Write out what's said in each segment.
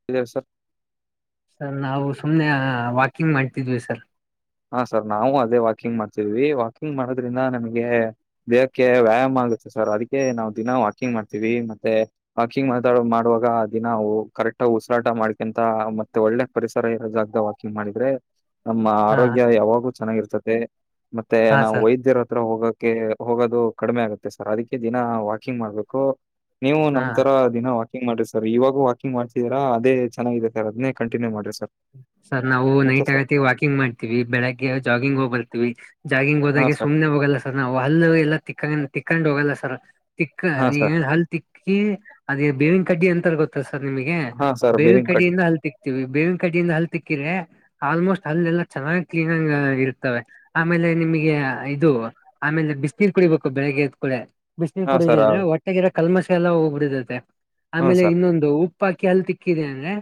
[unintelligible] Sir ನಾವು ಸುಮ್ನೆ walking ಮಾಡ್ತಿದ್ವಿ ಸರ್. ಹಾ ಸರ್ ನಾವು ಅದೇ ವಾಕಿಂಗ್ ಮಾಡ್ತಿದ್ವಿ ವಾಕಿಂಗ್ ಮಾಡೋದ್ರಿಂದ ನಮಗೆ. ದೇಹಕ್ಕೆ ವ್ಯಾಯಾಮ ಆಗುತ್ತೆ ಸರ್ ಅದಕ್ಕೆ ನಾವು ದಿನ ವಾಕಿಂಗ್ ಮಾಡ್ತೀವಿ ಮತ್ತೆ. ವಾಕಿಂಗ್ ಮಾತಾಡೊ ಮಾಡುವಾಗ ದಿನ ಓ ಕರೆಕ್ಟ್ ಉಸ್ರಾಟ ಮಾಡ್ಕೆಂತ ಮತ್ತೆ ಒಳ್ಳೆ. ಪರಿಸರ ಇರ ಜಾಗದಾಗ್ ವಾಕಿಂಗ್ ಮಾಡಿದ್ರೆ ನಮ್ಮ. ಹಾ ಆರೋಗ್ಯ ಯಾವಾಗೂ ಚೆನ್ನಾಗಿರ್ತದೆ ಮತ್ತೆ ಹಾ ನಾವು ಸರ್ ವೈದ್ಯರ ಹತ್ರ ಹೋಗೋದ್ [unintelligible] ಹೋಗೋದು ಕಡಿಮೆ ಆಗುತ್ತೆ ಸರ್ ಅದಕ್ಕೆ ದಿನ ವಾಕಿಂಗ್ ಮಾಡ್ಬೇಕು ನೀವು ಹಾ ನಂತರ. ದಿನ ವಕಿಂಗ್ ಮಾಡ್ರಿ ಸರ್ ಇವಾಗೂ ವಾಕಿಂಗ್ ಮಾಡ್ತಿದೀರಾ ಅದೇ ಚೆನ್ನಾಗಿದೆ ಸರ್ ಅದ್ನೇ ಕಂಟಿನ್ಯೂ ಮಾಡ್ರಿ ಸರ್. ಸರ್ ನಾವು ಮತ್ತೆ ನೈಟ್ ಸರ್ ಆಗತಿ ವಾಕಿಂಗ್ ಮಾಡ್ತೀವಿ ಬೆಳಗ್ಗೆ ಜಾಗಿಂಗ್ ಹೋಗಿಬರ್ತೀವಿ. ಜಾಗಿಂಗ್ ಹಾ ಹೋದಾಗೆ ಸರ್ ಸುಮ್ನೆ ಹೋಗಲ್ಲ ಸರ್ ನಾವು ಹಲ್ಲ ಎಲ್ಲ ತಿಕ್ಕಂ ತಿಕ್ಕೊಂಡು ಹೋಗಲ್ಲ ಸರ್. ತಿಕ್ಕ ಹಾ ಸರ್ ಈಗ ಹಲ್ ತಿಕ್ಕಿ ಅದೇ ಬೇವಿನ್ ಕಡ್ಡಿ ಅಂತಾರ್ ಗೊತ್ತ. ಸರ್ ನಿಮಗೆ ಹಾ ಸರ್ ಬೇವಿನ್ ಬೇವಿನ ಕಡ್ಡಿ ಕಡೆಯಿಂದ ಹಲ್ ತಿಕ್ತೀವಿ ಬೇವಿನ್ ಕಡೆಯಿಂದ ಹಲ್ ತಿಕ್ಕಿರೇ. ಆಲ್ಮೋಸ್ಟ್ ಹಲ್ಲೆಲ್ಲಾ ಚೆನ್ನಾಗ್ ಕ್ಲೀನಿಂಗ್ ಆಗ್ ಇರ್ತವೆ. ಆಮೇಲೆ ನಿಮಗೆ ಇದು ಆಮೇಲೆ ಬಿಸ್ನೀರ್ ಕುಡಿಬೇಕು ಬೆಳಿಗ್ಗೆ ಎದ್ ಕೂಡೆ. ಬಿಸಿನ ಹಾ ಕುಡಿದೆ ಸರ್ ಅಂದ್ರೆ ಹೊಟ್ಟೆಗಿರ ಕಲ್ಮಸೆ ಎಲ್ಲ ಹೋಗ್ಬಿದೆ ಹಾ ಆಮೇಲೆ ಸರ್ ಇನ್ನೊಂದು ಉಪ್ಪಾಕಿ ಹಲ್ಲ ತಿಕ್ಕಿದೆ ಅಂದ್ರೆ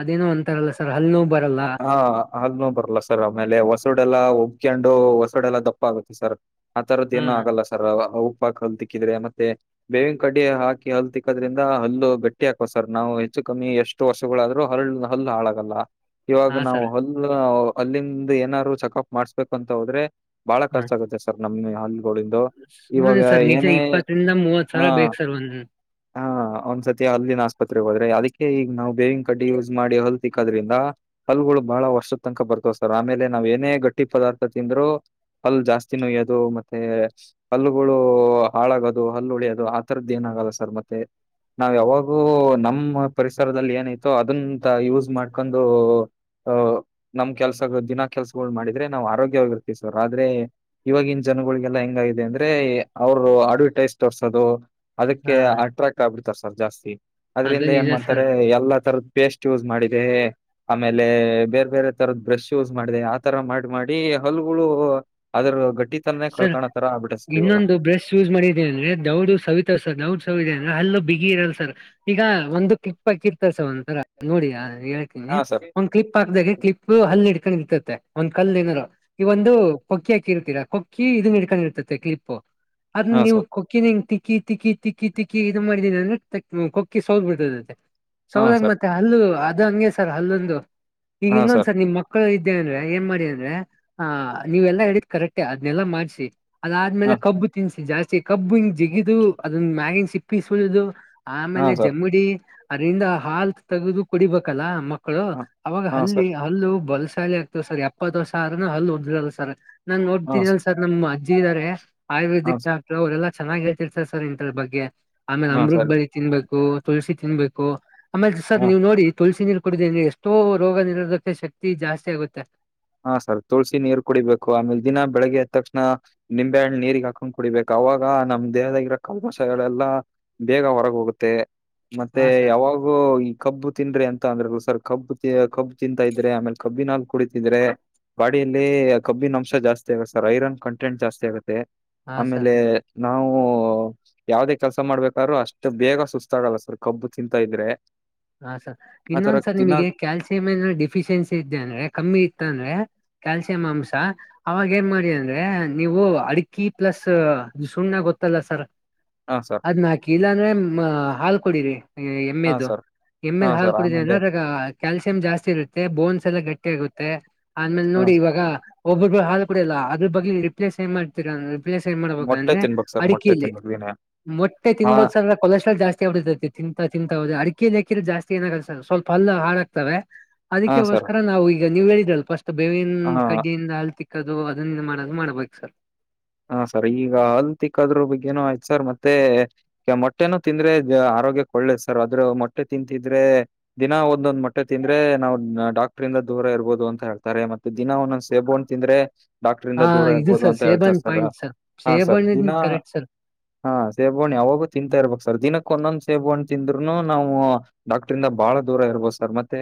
ಅದೇನೋ ಒಂತಾರಲ್ಲ ಸರ್ ಹಲ್ಲ ನು ಬರಲ್ಲ. ಹಾ ಹಲ್ಲ ನೋವ ಬರಲ್ಲ ಸರ್ ಆಮೇಲೆ ಓಸಡೆಲ್ಲ ಒಗ್ಕೊಂಡು ಹೊಸಡೆಲ್ಲ ದಪ್ಪ ಆಗುತ್ತೆ ಸರ್. ಆ ತರದ ಹಾ ಏನು ಆಲ್ಲ ಸರ್ ಉಪ್ಪ ಹಾಕದ್ದ ತಿಕ್ಕಿದ್ರೆ ಮತ್ತೆ ಬೇವಿನ ಕಡ್ಡಿ ಹಾಕಿ ಹಲ್ಲ ತಿಕ್ಕೋದ್ರಿಂದ ಹಲ್ಲು ಬೆಟ್ಟಿ ಹಾಕುವ ಸರ್ ನಾವು ಹೆಚ್ಚು ಕಮ್ಮಿ ಎಷ್ ಹತ್ತು ವರ್ಷಗಳಾದ್ರೂ ಹಳ್ಳ ಹಲ್ಲ ಹಾಳಾಗಲ್ಲ. ಇವಾಗ ಹಾ ನಾವು ಸರ್ ಹಲ್ಲ ಹಲ್ಲಿಂದ ಏನಾದ್ರು ಚಕಪ ಮಾಡ್ಸ್ಬೇಕು ಅಂತ ಹೋದ್ರೆ ಬಹಳ ಖರ್ಚ ಆಗುತ್ತೆ ಸ ರ್ ನಮ್ನ ಅ ಹ್ಮ ಸರ್ ನಿಜ ಇಪ್ಪತ್ತರಿಂದ ಮೂವತ್ ಸಾವರ ಬೇಕ ಸರ್ ಒಂದ ಒಂದ್ ಸತಿ ಅಲ್ಲಿನ ಆಸ್ಪತ್ರೆಗೆ ಹೋದ್ರೆ ಅದಕ್ಕೆ ಈಗ ನಾವು ಬೇವಿನ ಕಡ್ಡಿ ಯೂಸ್ ಮಾಡಿ ಹಲ್ಲ ತಿಕ್ಕೋದ್ರಿಂದ ಹಲ್ಗಳು ಬಳ ವರ್ಷದ ತನಕ ಬರ್ತ್ ಸರ್ ಆಮೇಲೆ ನಾವ್ ಏನೇ ಗಟ್ಟಿ ಪದಾರ್ಥ ತಿಂದ್ರು ಹಲ್ಲ ಜಾಸ್ತಿ ನೋಯ್ಯದು ಮತ್ತೆ ಹಲ್ಲುಗಳು ಹಾಳಾಗೋದು ಹಲ್ಲ ಉಳಿಯೋದು ಆತರದ್ದ ಏನ ಆಗಲ್ಲ ಸರ್ ಮತ್ತೆ ನಾವ ಯಾವಾಗೂ ನಮ್ಮ ಪರಿಸರದಲ್ಲಿ ಏನೈತೋ ಅದಂತ ಯೂಸ್ ಮಾಡ್ಕೊಂಡು ಹ ನಮ್ಮ ಕೆಲ್ಸಗಳು ದಿನಾ ಕೆಲ್ಸಗಳ ಮಾಡಿದ್ರೆ ನಾವ್ ಆರೋಗ್ಯವಾಗಿರ್ತೀವಿ ಸರ್ ಆದ್ರೆ ಇವಾಗಿನ ಜನಗಳಿಗೆಲ್ಲ ಹೆಂಗಾಗಿದೆ ಅಂದ್ರೆ ಅವರು ಅಡ್ವರ್ಟೈಸ್ ತೋರ್ಸೋದು. ಅದಕ್ಕೆ ಹಾ ಅಟ್ರಾಕ್ಟ್ ಆಗ್ಬಿಡ್ತಾರ ಸರ್ ಜಾಸ್ತಿ ಅದು ಅದ್ರಿಂದ ನಿಜ ಏನ್ ಸರ್ ಮಾಡ್ತಾರೆ ಎಲ್ಲಾ ತರದ ಎಸ್ಟ್ ಯೂಸ್ ಮಾಡಿದೆ. ಮೇಲೆ ಬೇರೆ ಬೇರೆ ತರದ ಬ್ರಶ್ ಯೂಜ ಮಾಡಿದೆ ಆತರ ಮಾಡಿ ಮಾಡಿ ಹಲ್ಲಗಳು ಅದ್ರ ಗಟ್ಟಿ ತನೇ ಸರ್ ಕಳ್ಕೋತರ ಆಬಿಟ್ಟತ ಸರ್ ಇವಾಗ ಇನ್ನೊಂದು ಬ್ರಷ್ ಯೂಸ್ ಮಾಡಿದೆ ಅಂದ್ರೆ ದೌಡ್ ಸವಿತ ಸರ್ ದೌಡ್ ಸವಿದೆ ಅಂದ್ರ ಅಲ್ಲೂ ಬಿಗಿರಲ್ಲ ಸರ್. ಈಗ ಒಂದು ಕ್ಲಿಪ್ ಹಾಕಿರ್ತಾ ಸರ್ ಒಂತರ ನೋಡಿ ಹೇಳ್ತೀನಿ. ಹಾ ಸರ್ ಕ್ಲಿಪ್ ಹಾಕದಾಗ ಕ್ಲಿಪ್ ಹಲ್ಲಿ ಹಿಡ್ಕೊಂಡ ಇತ್ತತ ಒಂದ ಕಲ್ದ ಏನಾರು ಈ ಒಂದು ಕೊಕ್ಕಿ ಹಾಕಿರ್ತೀರಾ ಕೊ ಕಿ ಇದನ್ ಹಿಡ್ಕೊಂಡ ಇರ್ತತೆ ಕಿರ್ಪು ಅದನ್ನ ಹಾಂ ನೀವು ಸರ್ ಕೊಕ್ಕಿನ ಹಿಂಗ ತಿಕ್ಕಿ ತಿಕ್ಕಿ ತಿಕ್ಕಿ ತಿಕ್ಕಿ ಇದು ಮಾಡಿದೀನಿ ಅಂದ್ರ ಕೊಕ್ಕಿ ಸೋದ ಬಿಡ್ತದದೆ ಹಾಂ ಸೌದಾಗ ಸರ್ ಮತ್ತೆ ಹಲ್ಲು ಅದ ಹಂಗೆ ಸರ್ ಹಲ್ಲೊಂದು ಈಗ ಹಾಂ ಸರ್ ಇನ್ನೊಂದ್ಸರ ನಿಮ್ ಮ ಮಕ್ಕಳು ಇದ್ದೆ ಅಂದ್ರೆ ಏನ್ ಮಾಡಿ ಅಂದ್ರೆ ಆ ನೀವೆಲ್ಲಾ ಹೇಳಿದ ಕರೆಕ್ಟೇ ಅದ್ನೆಲ್ಲಾ ಮಾಡ್ಸಿ. ಅದಾದ್ಮೇಲೆ ಹಾಂ ಕಬ್ಬು ತಿನ್ಸಿ ಜಾಸ್ತಿ ಕಬ್ಬು ಹಿಂಗ ಜಿಗಿದು ಅದನ್ ಮ್ಯಾಗಿನ್ ಸಿಪ್ಪಿ ಸುಲ್ದು ಆಮೇಲೆ ಹಾಂ ಸರ್ ಜಮಡಿ ಅದರಿಂದ ಹಾಲ ತಗದು ಕುಡಿಬೇಕಲ್ಲ ಮ ಮಕ್ಕಳು ಹಾಂ ಅವಾಗ ಹಾಂ ಹಲ್ಲಿ ಸರ್ ಹಲ್ಲು ಬಲ್ಸಾಲಿ ಆ ಸರ್ ಎಪ್ಪತ್ತ ವರ್ಷ ಆದ್ರೂ ಹಲ್ಲ ಉದ್ದರಲ್ಲ ಸರ್ ನಾನ್ ನೋಡ್ತೀನಿ ಅಲ್ಲ ಸರ್ ನಮ್ಮ ಅಜ್ಜಿ ಇದಾರೆ. ಹಾಂ ಆಯುರ್ವೇದಿಕ ಸರ್ ಕ್ಡಾಕ್ಟರ್ ಅವರೆಲ್ಲ ಚೆನ್ನಾಗಿ ಹೇಳ್ತಿರಾರ ಸರ್ ಇಂತದ ಬಗ್ಗೆ ಆಮೇಲೆ ಹಾಂ ಅಮೃತ ಸರಿ ಬಳಿ ತಿನ್ಬೇಕ ಹು ತುಳಸಿ ತಿನ್ಬೇಕು ಆಮೇಲೆ ಹಾಂ ಸರ್ ನೀವ್ ನೋಡಿ ತುಳಸಿ ನೀರ ಕುಡುದ ಅಂದ್ರೆ ಎಷ್ ತೊ ರೋಗ ನಿರೋಧಕ ಶಕ್ತಿ ಜಾಸ್ತಿ ಆಗುತ್ತೆ. ಹಾ ಸರ್ ತುಳ್ಸಿ ನೀರ್ ಕುಡಿಬೇಕು ಆಮೇಲೆ ದಿನ ಬೆಳಗ್ಗೆ ಎದ್ದ ತಕ್ಷಣ ನಿಂಬೆಹಣ ನೀರಿಗ ಹಾಕೊಂಡ ಕುಡಿಬೇಕು ಅವಾಗ ನಮ್ಮ ದೇಹದಾಗಿರೋ ಕಲ್ಮಸಗಳೆಲ್ಲಾ ಬೇಗ ಹೊರಗ ಹೋಗುತ್ತೆ ಮತ್ತೆ ಹಾ ಸರ್ ಯಾವಾಗ ಓ ಈ ಕಬ್ಬು ತಿಂದ್ರೆ ಅಂತ ಅಂದ್ರರು ಸರ್ ಕಬ್ಬು ಕಬ್ಬ ತಿಂತಾ ಇದ್ರೆ ಆಮೇಲೆ ಕಬ್ಬಿನಾಲ ಕುಡ ದ್ರೆ ಬಾಡಿಯಲ್ಲಿ ಕಬ್ಬಿನ ಅಂಶ ಜಾಸ್ತಿ ಆಗುತ್ತೆ ಸರ್ ಐರನ್ ಕಂಟೆಂಟ್ ಜಾಸ್ತಿ ಆಗುತ್ತೆ. ಹಾ ಸರ್ ಆಮೇಲೆ ನಾವು ಯಾವದೇ ಕೆಲ್ಸ ಮಾಡ್ಬೇಕಾದ್ರು ಅಷ್ಟು ಬೇಗ ಸುಸ್ತಾಗಲ್ಲ ಸರ್ ಕಬ್ಬು ತಿಂತ ಇದ್ರೆ ಹ ಸರ್ ಆತರ ಇನ್ನೊಂದ ಸರ್ ದಿನ ನಿಮಗೆ ಕ್ಯಾಲ್ಸಿಯಮ್ ಏನೋ ಡಿಫಿಶಿಯೆನ್ಸಿ ಇದ್ದೆ ಅಂದ್ರೆ ಕಮ್ಮಿ ಇತ್ತ ಅಂದ್ರೆ ಕ್ಯಾಲ್ಸಿಯಂ ಅಂಶ ಅವಾಗ ಏನ್ ಮಾಡಿ ಅಂದ್ರೆ ನೀವು ಅಡಕಿ ಪ್ಲಸ್ ಸುಣ್ಣ ಗೊತ್ತಲ್ಲ ಸರ್. ಹಾ ಸರ್. ನಾಕಿ ಇಲ್ಲ ಅಂದ್ರೆ ಮ ಹಾಲ್ ಕೊಡಿರಿ ಹಾ ಎಮ್ಮೆದು ಸರ್ ಹಾ ಎಮ್ಮೆದ ಹಾಲ ಸರ್ ಕುಡಿದೆ ಅಂದ್ರ ಆಮೇಲೆ ಅದ್ರಾಗ ಕ್ಯಾಲ್ಸಿಯಂ ಜಾಸ್ತಿ ಇರುತ್ತೆ ಬೋನ್ಸ್ ಎಲ್ಲ ಗಟ್ಟಿ ಆಗುತ್ತೆ. ಆಮೇಲ ಹಾ ನೋಡಿ ಇವಾಗ ಒಬ್ಬೊಬ್ರ ಹಾಲು ಕುಡಲ್ಲ ಅದ್ರ ಬಗ್ಗೆ ನೀವು ರಿಪ್ಲೇಸ್ ಏನ್ ಮಾಡ್ತೀರ ಪ್ಲ ಏನ್ ಮಾಡ್ಬೇಕ ಮೊಟ್ಟೆ ಅಂದ್ರೆ ತಿನ್ಬೇಕು ಸರ್ ಮೊಟ್ಟೆ ಅಡಿಕೆಲಿ ತಿನ್ಬೇಕು ದಿನ ಮೊಟ್ಟೆ ಹಾ ತಿನ್ಬೋದ ಸ ಕೊಲೆಸ್ಟಾಲ್ ಜಾಸ್ತಿ ಆಡತೈತಿ ತಿಂತ ತಿಂತ ವ ಅಡಿ ಕೀಲಿಕ್ಕಿರ ಜಾಸ್ತಿ ಏನಾಗಲ್ಲ ಸ ಸ್ವಲ್ಪ ಹಲ್ಲ ಹಾಳಾಗ್ತವೆ. ಹಾ ಸರ್ ಅದಕ್ಕಕ್ಕೋಸ್ಕರ ನಾವು ಈಗ ನೀವ್ ಹೇಳಿದರ ಫಸ್ಟ್ ಬೇವಿನ ಹಾ ಕಡ್ಡಿಯಿಂದ ಅಲ್ತಿ ದು ಅದಿಂದ ಮಾಡದು ಮಾಡ್ಬೇಕ ಸರ್. ಹ ಸರ ಈಗ ಅಲ್ಲ ತಿಕ್ಕದ್ರ ಬಗ್ಗೆನೂ ಆಯ್ತ ಸರ್ ಮತ್ತೆ ಮೊಟ್ಟೆನ ತಿಂದ್ರೆ ಆರೋಗ್ಯಕ್ಕ ಒಳ್ಳೇದ ಸರ್ ಆದ್ರ ಮೊಟ್ಟೆ ತಿಂತಿದ್ರೆ ದಿನ ಒಂದೊಂದ ಮಟ್ಟೆ ತಿಂದ್ರೆ ನಾವ್ ಡಾಕ್ಟ್ರಂದ ದೂರ ಇರ್ಬೋದು ಅಂತ ಹೇಳ್ತಾರೆ ಮ ದಿನ ಒಂದದ ಸೇಬುನ ತಿಂದ್ರೆ ಹಾ ಡಾಕ್ಟ್ರಂದ ದೂರ ಇದು ಇರ್ಬೋದು ಸರ್ ಅಂತ ಹೇಳ್ತಾ ಸೇಬನ್ ಸ ಸರ್ ಪಾಯಿಂಟ್ ಹಾ ಸರ್ ಸೇಬಣ್ಣ ದಿನ ಕರೆಕ್ಟ್ ಸರ್ ಹಾ ಸೇಬುನ ಯಾವಾಗೂ ತಿಂತಾ ಇರ್ಬೇಕ ಸರ್ ದಿನಕ್ಕ ಒಂದೊಂದ ಸೇಬಣ್ಣ ತಿಂದ್ರುನು ನಾವು ಡಾಕ್ಟ್ರಂದ ಬಾಳ ದೂರ ಇರ್ಬೋದು ಸರ್ ಮತ್ತೆ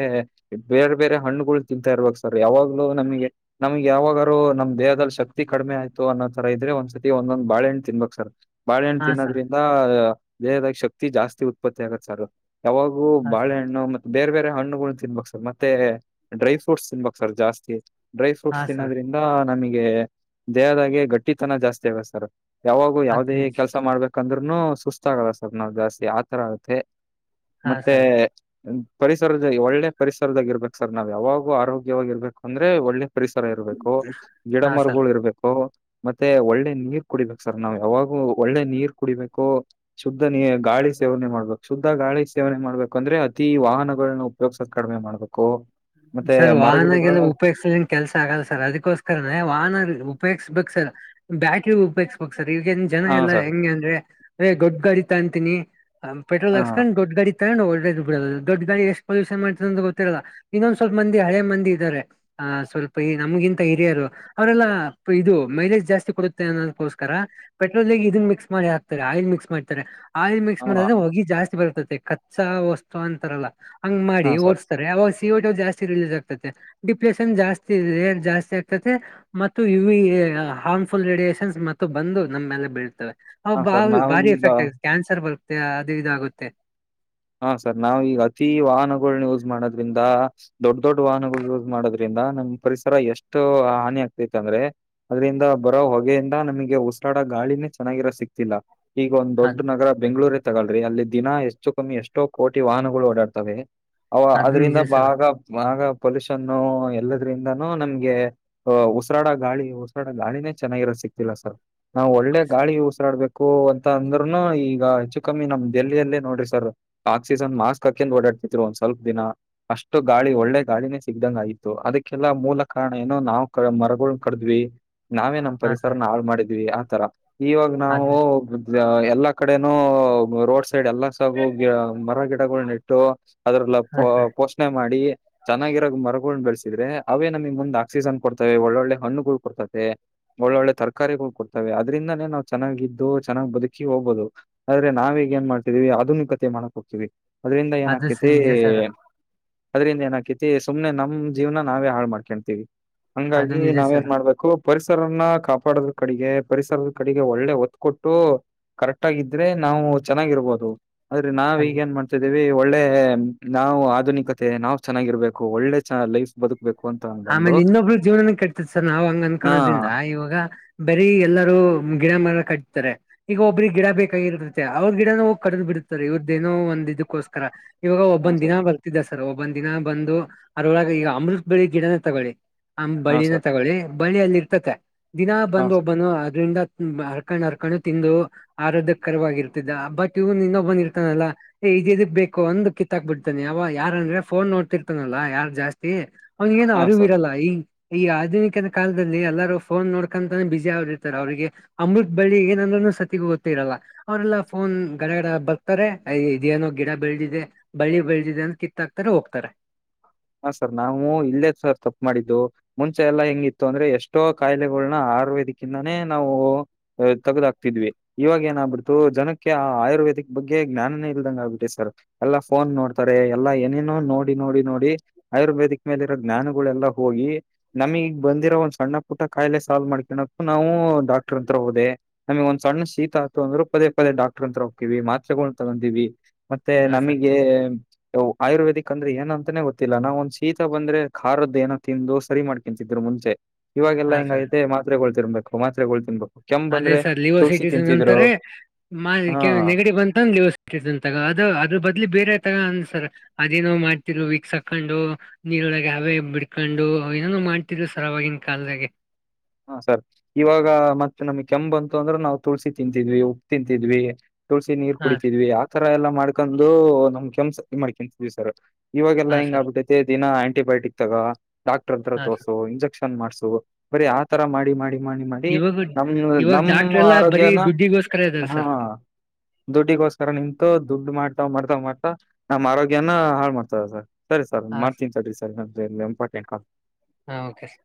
ಬೇರೆ ಬೇರೆ ಹಣ್ಣುಗಳು ತಿಂತಾ ಇರ್ಬಕ್ ಸರ್ ಯಾವಾಗ್ಲೂ ನಮಗೆ ನಮ್ಗ ಯಾವಾಗರು ನಮ್ ದೇಹದಲ್ಲಿ ಶಕ್ತಿ ಕಡಿಮೆ ಆಯ್ತ ಅನ್ನೋತರ ಇದ್ರೆ ಒಂದಸತಿ ಒಂದೊಂದ ಬಾಳಹಣ್ಣ ತಿನ್ಬೇಕ ಸ ಬಾಳೆಣ್ಣ ಹಾ ಸರ್ ತಿನ್ನದ್ರೆ ದ ದೇಹದ ಶಕ್ತಿ ಜಾಸ್ತಿ ಉತ್ಪತ್ತಿ ಆಗತ್ತ ಸರ್ ಯಾವಾಗೂ ಹಾಂ ಸರ್ ಬಾಳೆಹಣ್ಣು ಮ ಬೇರೆ ಬೇರೆ ಹಣ್ಣುಗಳ ತಿನ್ಬೇಕ ಸರ್ ಮತ್ತೆ ಡ್ರೈ ಫ್ರೂಟ್ಸ್ ತಿನ್ಬಕ ಸರ್ ಜಾಸ್ತಿ. ಡ್ರೈ ಫ್ರೂಟ್ಸ್ ಹಾಂ ಸರ್ ತಿನ್ನೋದ್ರಿಂದ ನಮಗೆ ದೇಹದಾಗೆ ಗಟ್ಟಿತನ ಜಾಸ್ತಿ ಆಗತ್ತ ಸರ್ ಯಾವಾಗೂ ಯಾವುದೇ ಆಗ್ತದೆ ಸರ್ ಕೆಲಸ ಮಾಡ್ಬೇಕ ಕಂದ್ರೂನು ಸುಸ್ತ ಆಗಲ್ಲ ಸರ್ ನಾವ್ ಜಾಸ್ತಿ ಆತರ ಆಗತ್ತೆ ಹಾಂ ಮತ್ತೆ ಸರ್ ಪರಿಸರದ ಒಳ್ಳೆ ಪರಿಸರದಾಗ ಇರ್ಬೇಕ ಸರ್ ನಾವ್ ಯಾವಾಗೂ ಆರೋಗ್ಯವಾಗಿ ಇರ್ಬೇಕ ಅಂದ್ರೆ ಒಳ್ಳೆ ಪರಿಸರ ಇರಬೇಕು ಗಿಡ ಹಾಂ ಸರ್ ಮರುಗಳು ಇರ್ಬೇ ಕು ಮತ್ತೆ ಒಳ್ಳೆ ನೀರ್ ಕುಡಿಬೇಕು ಸರ್ ನಾವ್ ಯಾವಾಗು ಒಳ್ಳೆ ನೀರ್ ಕುಡಿಬೇಕು. ಶುದ್ಧ ನೀ ಗಾಳಿ ಸೇವನೆ ಮಾಡ್ಬೇಕು ಶುದ್ಧ ಗಾಳಿ ಸೇವನೆ ಮಾಡ್ಬೇಕಂದ್ರೆ ಅತಿ ವಾಹನಗಳನ್ನ ಯೋಗಸತ್ ಕಡಿಮೆ ಮಾಡ್ಬೇಕು. ಮತ್ತೆ ಸರ್ ವಾಹನಗೆಲ್ಲ ಮರಗಿಡಗಳನ್ನ ಉಪಯೋಗ್ಸ ಕೆಲ್ಸ ಆಗಲ್ಲ ಸರ್ ಅದಕ್ಕೋಸ್ಕರ ವಾಹನ ಉಪಯೋಗಿಸ್ಬೇಕ ಸರ್. ಬ್ಯಾಕಿಗ ಉಪಯೋಗ್ಸ ಬೇಕ ಸರ್ ಈವಗನ್ ಜನ ಹಾ ಎಲ್ಲಾ ಸರ್ ಹೆಂಗೆ ಅಂದ್ರೆ ಎ ಗೋಡ್ಡ ಗಾಡಿ ತ ಅಂತಿನಿ ಪೆಟ್ರೋಲ್ ಹಾ ಹಾಸ್ಕೊಂಡ್ ದೊಡ್ಡ ಗಾ [unintelligible] ದೊಡ್ಡ ಗಾಡಿ ಎಷ್ಟ ಪಲ್ಯೂಷನ್ ಮಾದಂತ ಗೊತ್ತರಲ್ಲ ಇನ್ನಂದ ಸ್ವಲ್ಪ ಹಳೆ ಮಂದಿ ಇದಾರೆ. ಹ ಸ್ವಲ್ಪ ಈ ನಮಗಿಂತ ಹಿರಿಯರು ಅವ್ರಲ್ಲ ಇದು ಮೈಲೇಜ್ ಜಾಸ್ತಿ ಕೊಡುತ್ತೆ ಅನ್ನೋದಕೋಸ್ಕರ ಪೆಟ್ರೋಲ್ಗ ಇದನ್ ಮಿಕ್ಸ್ ಮಾಡಿ ಹಾತಾರೆ ಆಯಿಲ್ ಮಿಕ್ಸ್ ಮಾಡ್ತಾರೆ. ಆಇಲ್ ಮಿಕ್ಸ್ ಹಾ ಮಾಡ್ರೆ ಹೊಗಿ ಜಾಸ್ತಿ ಬರ್ತತೆ ಕಚ್ಚಾ ವಸ್ತು ಅಂತಾರಲ್ಲ ಹಂಗ ಹಾ ಮಾಡಿ ಸರ್ ಓಡ್ಸ ಯಾವಾಗ ಸಿ ಒಟ್ ಜಾಸ್ತಿ ರಿಲೀಸ್ ಆಗ್ತತೆ ಡಿಪ್ರೆಷನ್ ಜಾಸ್ತಿ ಇದೆ ಜಾಸ್ತಿ ಆಗ್ತತೆ. ಮತ್ತು ಇವು ಹಾರ್ಮ್ಫುಲ್ ರೇಡಿಯಷನ್ಸ್ ಮತ್ತು ಬಂದು ನಮ್ಮೆಲ್ಲ ಬೀಳ್ತವೆ. ಹ ಹಾ ಬಾ ಸರ್ ನಾವು ಭಾರಿ ಈಗ ಎಫೆಕ್ಟ್ ಆಗೆ ಕ್ಯಾನ್ಸರ್ ಬರುತ್ತೆ ಅದು ಇದ ಆಗುತ್ತೆ. ಹಾ ಸರ್ ನಾವ ಈಗ ಅತಿ ವಾಹನಗಳನ್ನ ಯೂಜ ಮಾಡೋದ್ರಿಂದ ದೊಡ್ಡ ದೊಡ್ಡ ವಾಹನಗಳು ಯೂಸ್ ಮಾಡೋದ್ರಿಂದ ನಮ್ಮ ಪರಿಸರ ಎಷ್ಟು ಹಾನಿ ಆಗ್ತಿತ್ತ ಅಂದ್ರೆ ಅದ್ರಿಂದ ಬರೋ ಹೊಗೆಯಿಂದ ನಮಗೆ ಉಸರಾಡೋ ಗಾಳಿನೇ ಚೆನ್ನಾಗಿರೋ ಸಿಕ್ತಿಲ್ಲ. ಈಗ ಒಂದ್ ದೊಡ್ಡ ಅದು ನಗರ ಬೆಂಗಳೂರು ತಗೋಳ್ಳರಿ ಅಲ್ಲಿ ದಿನ ಎಷ್ಟು ಕಮ್ಮಿ ಎಷ್ಟೋ ಕೋಟಿ ವಾಹನಗಳು ಓಡಾಡ್ತವೆ ಅವ ಅದು ನಿಜ ಅದ್ರಿಂದ ಸರ್ ಭಾಗ ಭಾಗ ಪೊಲೂಷನ್ನು ಎಲ್ಲದ್ರಿಂದಾನೂ ನಮ್ಗೆ. ಆ ಉಸರಾಡ ಗಾಳಿ ಉಸರಾಡ ಗಾಳಿನೇ ಚೆನ್ನಾಗಿರೋ ಸಿಕ್ತಿಲ್ಲ ಸರ್ ನಾವ್ ಒಳ್ಳೆ ಗಾಳಿ ಉಸರಾಡ್ಬ ಕ್ಕೋ ಅಂತ ಅಂದ್ರುನು ಈಗ ಹೆಚ್ಚು ಕಮ್ಮಿ ನಮ್ ದೆಲ್ಲಿಯಲ್ಲೇ ನೋಡ್ರಿ ಸರ್. ಆಕ್ಸಿಜನ್ ಮಾಸ್ಕ್ ಹಾಕ್ಯಾದ ಓಡಾಡ್ತಿದ್ರು ಒಂದ ಸ್ವಲ್ಪ ದಿನ. ಅಷ್ಟು ಗಾಳಿ ಒಳ್ಳೆ ಗಾಳಿನೇ ಸಿಗ್ದಂಗ ಆಯ್ತು ಅದಕ್ಕೆಲ್ಲಾ ಮೂಲ ಕಾರಣ ಏನು ನಾವು ಕ ಮರಗಳ ಕಡದ್ವಿ. ನಾವೇ ನಮ್ಮ ಹಾ ಸರ್ ಪರಿಸರನ ಹಾಳ ಮಾಡಿದ್ವಿ ಆತರ ಇವಾಗ ನಾವು ಅದು ಎಲ್ಲಾ ಕಡೆನೂ ರೋಡ್ ಸೈಡ್ ಎಲ್ಲಾ ಸಾಗು ಮರ ಗಿಡಗಳ ಇಟ್ಟು ಅದ್ರಲ್ಲ ಪ ಹಾ ಸರ್ ಪೋಷಣೆ ಮಾಡಿ ಚೆನ್ನಾಗಿರೋ ಮರಗೋಳನ ಬೆಳೆಸಿದ್ರೆ ಅವೇ ನಮಿಗೆ ಮುಂದೆ ಆಕ್ಸಿಜನ್ ಕೊಡ್ತವೆ ಒಳ್ಳೊಳ್ಳೆ ಹಣ್ಣುಗಳು ಕೊಡ್ತವೆ ಒಳ್ಳೊಳ್ಳೆ ತರಕಾರಿಗಳು ಕೊಡ್ತವೆ ಅದ್ರಿಂದನೇ ನಾವ ಚೆನ್ನಾಗಿದ್ದು ಚೆನ್ನಾಗ್ ಬದುಕಿ ಹೋಗ್ಬಹುದು. ಆದ್ರೆ ನಾವೀಗ ಏನ್ ಮಾಡ್ತಿದವಿ ಆಧುನಿಕತೆ ಮಾಡಕ್ ಹೋಗ್ತೀವಿ ಅದ್ರಿಂದ ಏನ ಅದು ಸ ಆಕತಿ ನಿಜ ಸರ್ ಅದ್ರಿಂದ ಏನ ಆಕೈತಿ ಸುಮ್ನೆ ನಮ್ಮ ಜೀವನ ನಾವೇ ಹಾಳು ಮಾಡ್ಕ್ಯತೀವಿ ಅದು ಹಂಗಾಗಿ ನಿಜ ನಾವ ಏನ್ ಸರ್ ಮಾಡ್ಬೇಕು. ಪರಿಸರನ್ನ ಕಾಪಾಡದ್ರ ಕಡೆಗೆ ಪರಿಸರದ ಕಡೆಗೆ ಒಳ್ಳೆ ಒತ್ತ ಕೊಟ್ಟು ಕರೆಕ್ಟ್ ಆಗಿದ್ರೆ ನಾವು ಚೆನ್ನಾಗಿರ್ಬೋದು ಆದ್ರೆ ನಾವ ಅದು ಈಗ ಏನ್ ಮಾಡ [unintelligible] ಒಳ್ಳೇ ನಾವು ಆಧುನಿಕತೆ ನಾವ್ ಚೆನ್ನಾಗಿರ್ಬೇಕು ಒಳ್ಳೆ ಚ ಲೈಫ್. ಬದುಕ್ಬೇಕು ಅಂತ. ಅಂತಂದು ಆಮೇಲೆ ಇನ್ನೊಬ್ರು ಜೀವನನ ಕೆಟ್ಟತ ಸರ್ ನಾವ್ ಹಂಗ್ ಹಾ ಅನ್ಕೋದ್ರಿಂದ ಇವಾಗ ಬರೀ ಎಲ್ಲರೂ ಗಿಡ ಮರ ಕಟ್ತಾರೆ ಈಗ ಒಬ್ಬ್ರಿಗೆ ಗಿಡ ಬೇಕಾಗಿರುತ್ತೆ ಅವ್ರ ಗಿಡನ ಹೋಗಿ ಕಡ್ದ್ ಬಿಡುತ್ತಾರೆ. ಇವ್ರದೇನೋ ಒಂದ್ ಇದಕ್ಕೋಸ್ಕರ. ಇವಾಗ ಹಾ ಒಬ್ಬನ್ನ ದಿನ ಸರ್ ಬರ್ತಿದ್ದ ಸರ್ ಒಬ್ಬನ್ ದಿನ ಬಂದು ಅದರೊಳಗೆ ಈಗ ಅಮೃತ್ ಬಳ್ಳಿ ಗಿಡನೇ ತಗೊಳ್ಳಿ. ಹಾ ಬಳ್ಳೀನ ಸರ್ ತಗೊಳ್ಳಿ ಬಳ್ಳಿ ಅಲ್ಲಿ ಇರ್ತತೆ ದಿನ ಹಾ ಬಂದು ಸರ್ ಒಬ್ಬನು ಅದ್ರಿಂದ ಹರ್ಕೊಂಡ್ ಹರ್ಕೊಂಡು ತಿಂದು ಆರೋದ್ಯ ಕರವಾಗಿರ್ತಿದ್ದ ಬಟ್ ಇವನ್ ಇನ್ನೊಬ್ಬನ್ನ ಇರ್ತಾನಲ್ಲ. ಏ ಇದ ಇದಕ್ ಬೇಕು ಒಂದು ಕಿತ್ತಾಕ್ ಬಿಡ್ತಾನೆ ಅವ ಯಾರಂದ್ರೆ ಫೋನ್ ನೋಡ್ತಿರ್ತಾನಲ್ಲ ಯಾರ ಜಾಸ್ತಿ ಅವನಿಗೆನ್ ಏನ್ ಹಾ ಸರ್ ಅರಿವು ಇರಲ್ಲ ಈ ಈ ಆಧುನಿಕದ ಕಾಲದಲ್ಲಿ ಎಲ್ಲಾರೂ ಫೋನ್ ನೋಡ್ಕೊಂತಾನೇ ಬಿಸಿ ಆಗಿ ಇರ್ತಾರೆ ಅವ್ರಿಗೆ ಅಮೃತ್ ಬಳ್ಳಿ ಏನನ್ನು ಸತಿಗೂ ಗೊತ್ತಿರಲ್ಲ. ಅವರೆಲ್ಲಾ ಫೋನ್ ಗಡಗಡ ಬರ್ತಾರೆ ಐ ಇದೇನೋ ಗಿಡ ಬೆಳೆದಿದೆ ಬಳ್ಳಿ ಬೆಳದಿದೆ ಅಂತ ಕಿತ್ತಾಕ್ತಾರೆ ಹೋಗ್ತಾರೆ. ಹಾ ಸರ್ ನಾವು ಇಲ್ಲೇ ಸರ್ ತಪ್ಪು ಮಾಡಿದ್ದು. ಮುಂಚೆ ಎಲ್ಲಾ ಹೆಂಗಿತ್ತು ಅಂದ್ರೆ ಎಷ್ಟೋ ಕಾಯಿಲೆಗೋಳನ್ನ ಆಯರ್ವೇದಕ್ಕಿಂದಾನೇ ನಾವು ಆ ತಗದಾಕ್ತಿದ್ವಿ ಇವಾಗ ಏನಾಗ್ಬಿಡ್ತು ಜನಕ್ಕೆ ಆಯುರ್ವೇದಿಕ್ ಬಗ್ಗೆ ಧ್ಯಾನನೇ ಇಲ್ದಂಗ ಆಗ್ಬಿಟ್ಟೆತಿ ಸರ್. ಎಲ್ಲಾ ಫೋನ್ ನೋಡ್ತಾರೆ ಎಲ್ಲಾ ಏನೇನೋ ನೋಡಿ ನೋಡಿ ನೋಡಿ. ಆಯುರ್ವೇದಿಕ್ ಮೇಲೆ ಇರೋ ಜ್ಞಾನಗೋಳೆಲ್ಲ ಹೋಗಿ ನಮಿಗ್ ಬಂದಿರೋ ಒಂದ ಸಣ್ಣ ಪುಟ. ಕಾಯಿಲೆ ಸಾಲ್ವ್ ಮಾಡ್ಕ್ಯನಕ್ ನಾವು ಡಾಕ್ಟರ್ ಅತ್ರ ಹೋದೆ. ನಮಗ ಒಂದ ಸಣ್ಣ ಶೀತ ಆತ ಅಂದ್ರು ಪದೇ ಪದೇ ಡಾಕ್ಟರ್ ಅತ್ರ ಹೊಕ್ಕಿವಿ ಮಾತ್ರೆಗಳು ತಗೋಂತಿವಿ. ಮತ್ತೆ ಹಾ ಸರ್ ನಮಗೆ ಆಯುರ್ವೇದಿಕ್ ಅಂದ್ರೆ ಏನಂತಾನೆ ಗೊ [unintelligible] ನಾವ್ ಒಂದ್ ಶೀತ ಬಂದ್ರೆ ಖಾರದ್ದು ಏನೋ ತಿಂದು ಸರಿ ಮಾಡ್ಕೊಂತಿದ್ರು ಮುಂಚೆ. ಇವಾಗೆಲ್ಲ ಹಾ ಸರ್ ಹೆಂಗಆಗೈತೆ ಮಾತ್ರೆಗಳು ತಿನ್ಬೇಕು ಮಾತ್ರೆಗಳು ತಿನ್ಬೇ ಅದೇ ಸರ್ ಲಿವೋ ಸಿಟಿಜನ್ ಅಂತಾರೆ ಹಾ [unintelligible] ನೆಗಡಿ ಬಂತಂದ ಲಿವೋ [unintelligible] ತಗ ಅದ ಅದ್ರ ಬದ್ಲಿ ಬೇರೆ ತಗ ಅಂದಸರ್ ಅದೇನೋ ಮಾಡ್ತಿರು ವೀಕ್ಸ ಆಕೊಂಡು ನೀರೊಳಗೆ ಹವೇ ಬಿಡ್ಕೊಂಡು ಏನನು ಮಾಡ್ತಿದ್ರು ಸರ್ ಅವಾಗಿನ ಕಾಲದಾಗೆ. ಹಾ ಸರ್ ಇವಾಗ ಮತ್ತೆ ನಮಗ ಕೆಮ್ಮು ಬಂತದ್ರು ಅಂದ್ರೆ ನಾವು ತುಳ್ಸಿ ತಿಂತಿದ್ವಿ ಉಪ್ಪ ತಿಂತಿದ್ವಿ ತುಳ್ಸಿ ನೀರ್ ಹಾ ಕುಡಿತಿದ್ವಿ ಆತರ ಎಲ್ಲಾ ಮಾಡ್ಕೊಂಡು ನಮ್ ಕೆಮ್ಮು ಸರಿ ಮಾಡ್ಕ್ಯತಿದ್ವಿ ಸರ್. ಇವಾಗಲ್ಲಾ ಹಾ ಹೆಂಗ ಸರ್ ಆಗ್ಬಿಟೆತೇ ದಿನ ಆಂಟಿಬಯೋಟಿಕ್ ತಗ ಡಾಕ್ಟರ್ ಹತ್ರ ಹಾ ತೋರ್ಸು ಇಂಜೆಕ್ಷ ಓಪನ್ ಮಾಡಸು ಬರೀ ಆತರಾ ಮಾಡಿ ಮಾಡಿ. ಮಾಡಿ ಮಾಡಿ ಇವಾಗ ನಮ್ ಇವಾಗ ಡಾಕ್ಟರ್ ನಮ್ಮ ಎಲ್ಲಾ ಬರೀ ಆರೋಗ್ಯನಾ ದುಡ್ಡಿಗೋಸ್ಕರ ಇದಾರೆ ಹಾ. ಸರ್. ದುಡ್ಡಿಗೋಸ್ಕರ ನಿಂತು ದುಡ್ಡು ಮಾಡ್ತಾ ಮಾಡ್ತಾ ಮಾಡ್ತಾ ನಮ್ಮ ಆರೋಗ್ಯ ನಾ ಹಾಳ ಮಾಡ್ತದ ಸರ್. ಸರಿ ಸರ್ ಮಾಡ್ತನಿ ಸರಿ ಸರಿ ನಂದ ಇಲ್ಲೇ ಇಂಪಾರ್ಟೆಂಟ್ ಕಾಲ್ [inaudible] ಹಾ ಓಕೆ ಸರ್.